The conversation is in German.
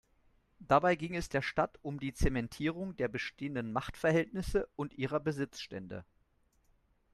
Dabei ging es der Stadt um die Zementierung der bestehenden Machtverhältnisse und ihrer Besitzstände.